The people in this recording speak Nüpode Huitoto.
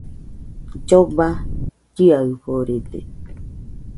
Lloba chiaforede